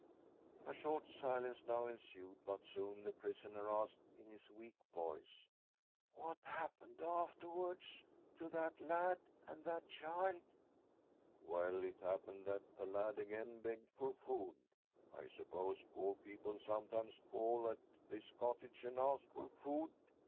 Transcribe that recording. A short silence now ensued, but soon the prisoner asked in his weak voice :" What happened' afterwards to that lad, and that child ?"" Well, it happened that the lad again begged for food. ' I suppose poor people sometimes call at this cottage and ask for food